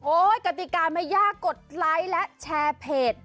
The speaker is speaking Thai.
กติกาไม่ยากกดไลค์และแชร์เพจ